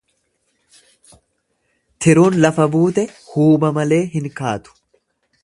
Tiruun lafa buute huuba malee hin kaatu.